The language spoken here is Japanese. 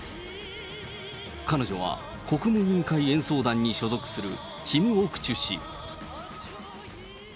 彼女は国務委員会演奏団に所属するキム・オクチュ氏。